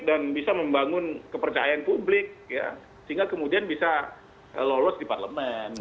dan bisa membangun kepercayaan publik ya sehingga kemudian bisa lolos di parlemen